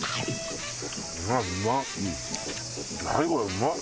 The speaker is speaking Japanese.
うまい